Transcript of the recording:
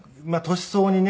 年相応にね